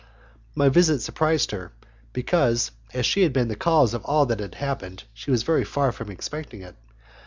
My visit surprised her, because, as she had been the cause of all that had happened, she was very far from expecting it.